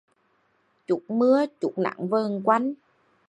Chút mưa, chút nắng vờn quanh